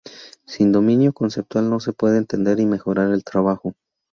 Sin dominio conceptual no se puede entender y mejorar el trabajo.